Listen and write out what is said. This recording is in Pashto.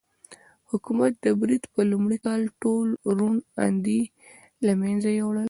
حکومت د برید په لومړي کال ټول روڼ اندي له منځه یووړل.